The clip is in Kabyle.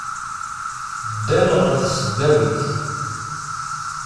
Ddan ɣer tesdawit.